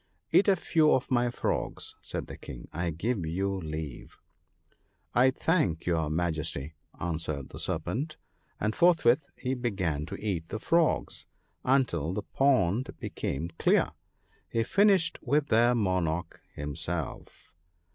" Eat a few of my frogs," said the King. " I give you leave." " I thank your Majesty !" answered the Serpent, and forthwith he began to eat the frogs, until the pond be coming clear, he finished with their monarch himself.